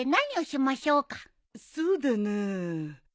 そうだなあ。